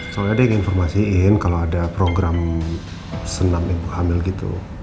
soalnya ada yang informasiin kalau ada program senam ibu hamil gitu